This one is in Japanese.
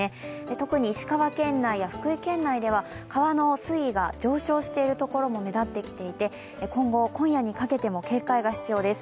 特に石川県内や福井県内では川の水位が上昇している所も目立ってきていて、今後、今夜にかけても警戒が必要です。